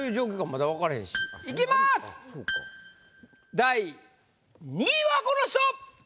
第２位はこの人！